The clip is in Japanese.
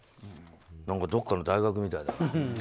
何かどこかの大学みたいだね。